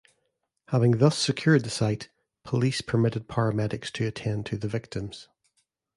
Having thus secured the site, police permitted paramedics to attend to the victims.